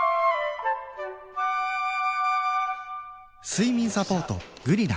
睡眠サポート「グリナ」